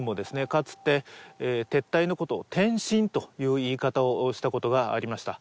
かつて撤退のことを転進という言い方をしたことがありました